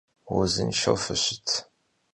Vuzınşşeu fışıt!